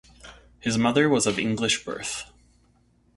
His mother was of English birth.